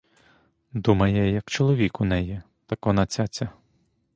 Думає, як чоловік у неї, так вона цяця.